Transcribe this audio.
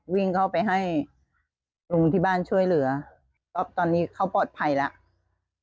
วิ่งเข้าไปให้ลุงที่บ้านช่วยเหลือก็ตอนนี้เขาปลอดภัยแล้ว